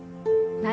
何？